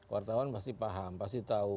wartawan pasti paham pasti tahu